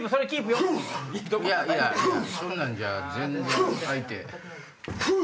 いやそんなんじゃ全然相手。